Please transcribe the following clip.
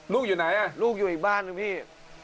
ลูกอยู่ไหนลูกอยู่อีกบ้านหนึ่งพี่